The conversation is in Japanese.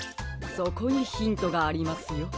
そこにヒントがありますよ。